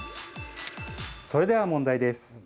それでは問題です。